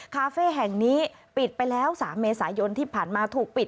คาเฟ่แห่งนี้ปิดไปแล้ว๓เมษายนที่ผ่านมาถูกปิด